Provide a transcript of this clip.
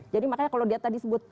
jadi makanya kalau dia tadi sebut